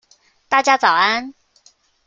大家早安